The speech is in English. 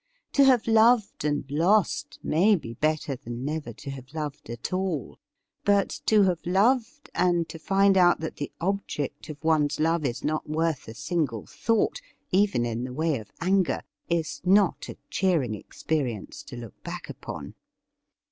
To have loved and lost may be better than never to have loved at all, but to have loved and to find out that the object of one's love is not worth a single thought, even in the way of anger, is not a cheering experience to look back upon.